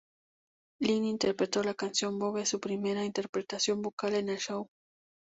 Lynch interpretó la canción "Vogue", su primera interpretación vocal en el show.